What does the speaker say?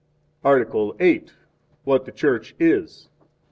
Article VIII. What the Church Is.